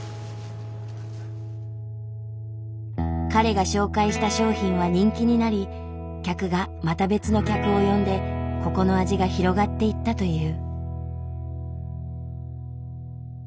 彼が紹介した商品は人気になり客がまた別の客を呼んでここの味が広がっていったという。